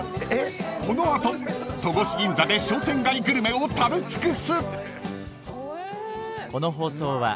［この後戸越銀座で商店街グルメを食べ尽くす］